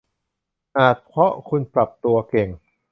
อาจเพราะคุณปรับตัวเก่ง